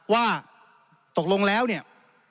ว่าตกลงแล้วเนี่ย